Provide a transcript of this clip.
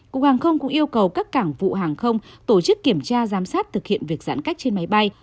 cục hàng không cũng yêu cầu các cảng vụ hàng không tổ chức kiểm tra giám sát thực hiện việc giãn cách trên máy bay